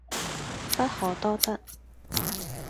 不可多得